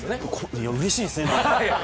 いや、うれしいですね。